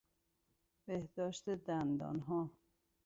بهداشت دندانها